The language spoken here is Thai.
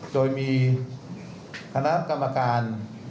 โดยมีคณะกรรมการ